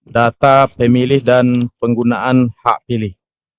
data pemilih dan penggunaan hak pilih